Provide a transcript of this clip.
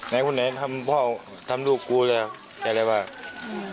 ไหนคุณไหนทำพ่อทำลูกกูแล้วอย่างไรบ้าง